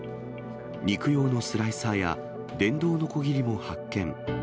肉用のスライサーや電動のこぎりも発見。